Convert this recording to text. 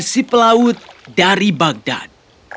aku sinbad si pelaut dari bagdad